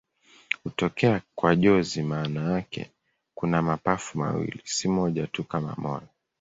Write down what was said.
Hutokea kwa jozi maana yake kuna mapafu mawili, si moja tu kama moyo.